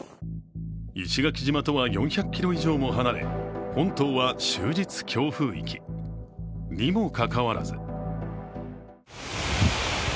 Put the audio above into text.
石垣島とは４００ｋｍ以上も離れ、本島は終日強風域にもかかわらず。